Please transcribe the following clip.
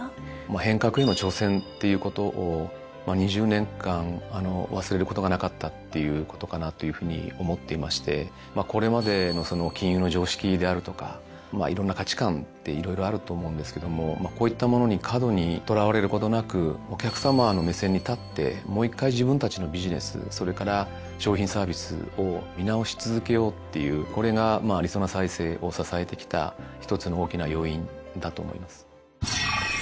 変革への挑戦っていうことを２０年間忘れることがなかったっていうことかなっていうふうに思っていましてこれまでの金融の常識であるとかいろんな価値観って色々あると思うんですけどもこういったものに過度にとらわれることなくお客さまの目線に立ってもう一回自分たちのビジネスそれから商品サービスを見直し続けようっていうこれがりそな再生を支えてきた１つの大きな要因だと思います。